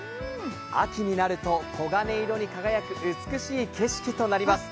秋になると黄金色に輝く美しい景色となります。